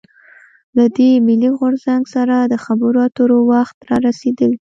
له دې «ملي غورځنګ» سره د خبرواترو وخت رارسېدلی.